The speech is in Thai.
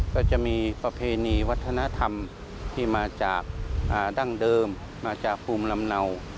ก็จะมีประเพณีวัฒนธรรมที่มาจากดั้งเดิมมาจากภูมิลำเนา